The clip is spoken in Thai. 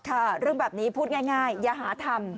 ค่ะเรื่องแบบนี้พูดง่ายยาหาธรรม